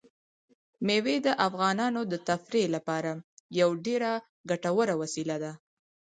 مېوې د افغانانو د تفریح لپاره یوه ډېره ګټوره وسیله ده.